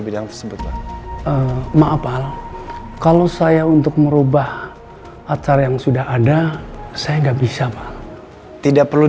bidang tersebut pak maaf hal kalau saya untuk merubah acara yang sudah ada saya nggak bisa pak tidak perlu